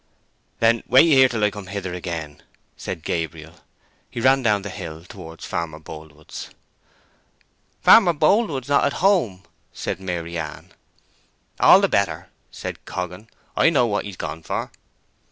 "Then wait here till I come hither again," said Gabriel. He ran down the hill towards Farmer Boldwood's. "Farmer Boldwood is not at home," said Maryann. "All the better," said Coggan. "I know what he's gone for."